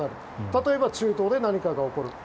例えば中東で何かが起こると。